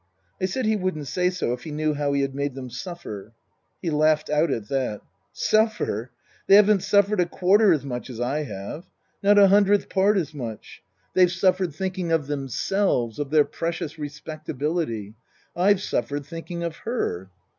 I said he wouldn't say so if he knew how he had made them suffer. He laughed out at that. " Suffer ? They haven't suffered a quarter as much as I have. Not a hundredth part as much. They've Book I : My Book 113 suffered thinking of themselves of their precious respectability. I've suffered thinking of her.